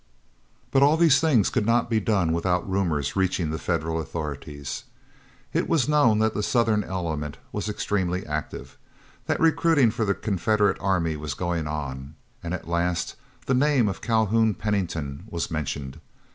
But all these things could not be done without rumors reaching the Federal authorities. It was known that the Southern element was extremely active; that recruiting for the Confederate army was going on; and at last, the name of Calhoun Pennington was mentioned.